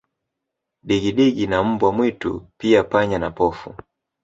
Digidigi na mbwa mwitu pia panya na pofu